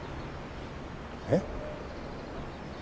えっ？